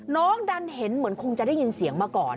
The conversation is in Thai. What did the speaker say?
น้องดันเห็นเหมือนคงจะได้ยินเสียงมาก่อน